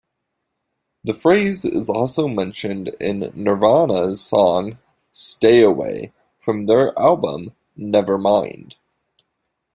The phrase is also mentioned in Nirvana's song "Stay Away" from their album "Nevermind".